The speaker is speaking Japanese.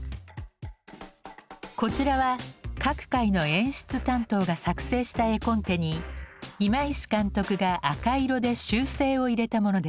こちらは各回の演出担当が作成した絵コンテに今石監督が赤色で修正を入れたものです。